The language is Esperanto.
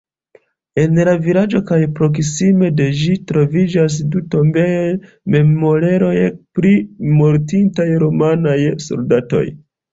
En la vilaĝo kaj proksime de ĝi troviĝas du tombejoj-memorejoj pri mortintaj rumanaj soldatoj.